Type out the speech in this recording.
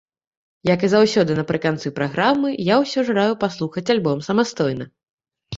Як і заўсёды напрыканцы праграмы, я ўсё ж раю паслухаць альбом самастойна.